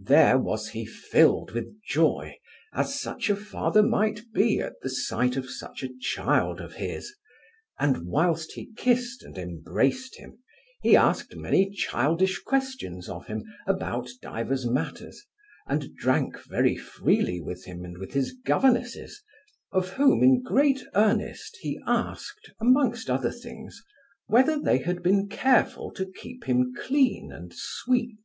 There was he filled with joy, as such a father might be at the sight of such a child of his: and whilst he kissed and embraced him, he asked many childish questions of him about divers matters, and drank very freely with him and with his governesses, of whom in great earnest he asked, amongst other things, whether they had been careful to keep him clean and sweet.